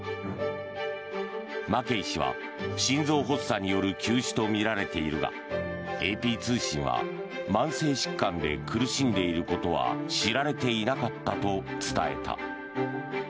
マケイ氏は心臓発作による急死とみられているがＡＰ通信は慢性疾患で苦しんでいることは知られていなかったと伝えた。